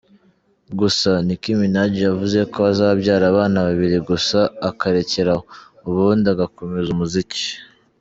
Gusa, Nick Minaj yavuze ko azabyara abana babiri gusa akarekeraho, ubundi agakomeza umuziki.